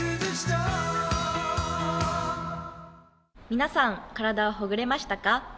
皆さん、体はほぐれましたか？